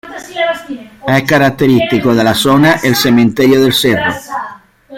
Es característico de la zona el Cementerio del Cerro.